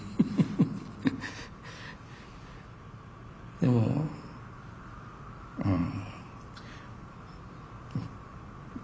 でもうん。